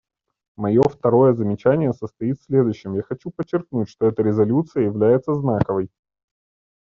Мое второе замечание состоит в следующем: я хочу подчеркнуть, что эта резолюция является знаковой.